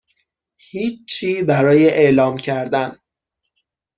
هیچی برای اعلام کردن